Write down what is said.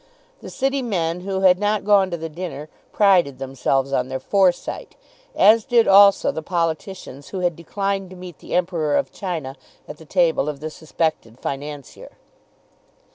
The City men who had not gone to the dinner prided themselves on their foresight, as did also the politicians who had declined to meet the Emperor of China at the table of the suspected Financier.